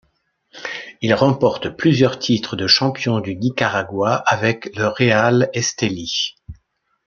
Il remporte plusieurs titres de champion du Nicaragua avec le Real Estelí.